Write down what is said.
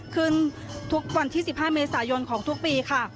ขึ้นทุกวันที่๑๕เมษายนของทุกปีค่ะ